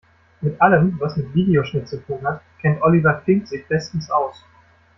Mit allem, was mit Videoschnitt zu tun hat, kennt Oliver Fink sich bestens aus.